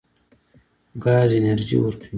ګاز انرژي ورکوي.